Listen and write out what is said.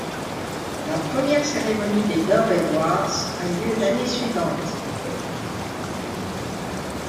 La première cérémonie des Dove Awards a lieu l'année suivante.